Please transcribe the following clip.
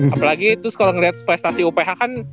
apalagi terus kalau ngeliat prestasi uph kan